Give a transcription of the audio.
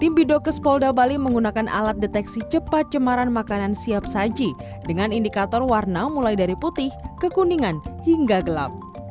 tim bidokes polda bali menggunakan alat deteksi cepat cemaran makanan siap saji dengan indikator warna mulai dari putih kekuningan hingga gelap